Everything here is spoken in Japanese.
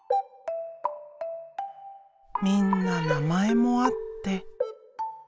みんな名前もあって。